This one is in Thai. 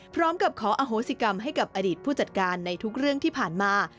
พร้อมกับขออโหสิกรรมให้กับอดีตผู้จัดการในทุกเรื่องที่ผ่านมา